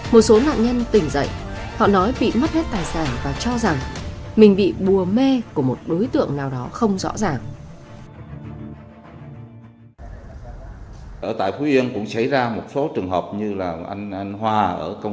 một số nạn nhân tỉnh dậy họ nói bị mất hết tài sản và cho rằng mình bị bùa mê của một đối tượng nào đó không rõ ràng